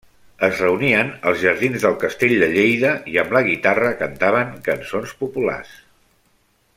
Es reunien als jardins del castell de Lleida i amb la guitarra cantaven cançons populars.